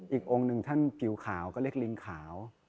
อีกองค์หนึ่งท่านผิวขาวก็เรียกลิงขาว